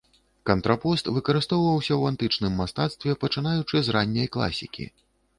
Кантрапост выкарыстоўваўся ў антычным мастацтве пачынаючы з ранняй класікі.